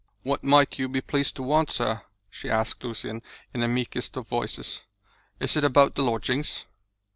"What might you be pleased to want, sir?" she asked Lucian, in the meekest of voices. "Is it about the lodgings?"